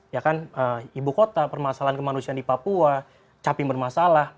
ya kan ibu kota permasalahan kemanusiaan di papua capim bermasalah